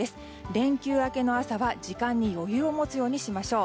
連休明けの朝は時間に余裕を持つようにしましょう。